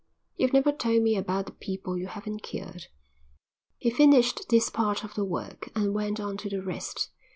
"You've never told me about the people you haven't cured." He finished this part of the work and went on to the rest.